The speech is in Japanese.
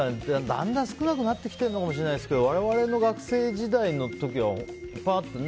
だんだん少なくなってきてるかもしれないですけど我々の学生時代の時はいっぱいあったね。